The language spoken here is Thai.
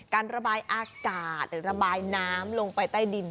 การระบายอากาศหรือระบายน้ำลงไปใต้ดิน